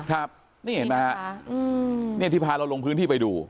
ครับนี่เห็นไหมฮะเนี่ยที่พาเราลงพื้นที่ไปดู